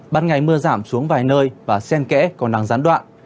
ban ngày mưa giảm xuống vài nơi và sen kẽ còn đang gián đoạn